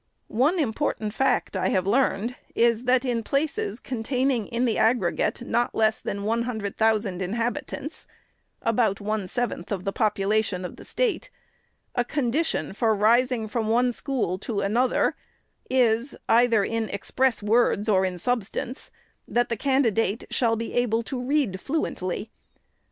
One important fact, I have learned, is, that in places containing in the aggregate not less than one hundred thousand inhabitants, (about one seventh of the population of the State,) a con 510 THE SECRETARY'S dition for rising from one school to another is, either in express words or in substance, that the candidate shall be able to " read fluently."